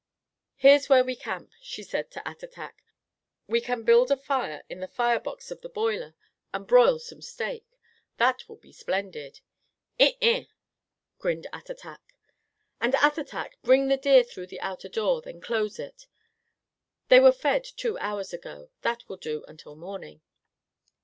"Here's where we camp," she said to Attatak. "We can build a fire in the fire box of the boiler and broil some steak. That will be splendid!" "Eh eh," grinned Attatak. "And Attatak, bring the deer through the outer door, then close it. They were fed two hours ago. That will do until morning."